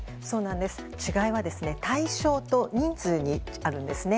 違いは対象と人数にあるんですね。